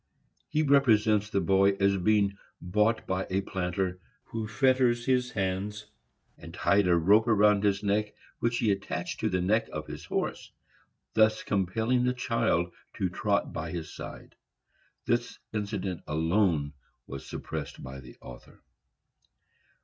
He represents the boy as being bought by a planter, who fettered his hands, and tied a rope round his neck which he attached to the neck of his horse, thus compelling the child to trot by his side. This incident alone was suppressed by the author.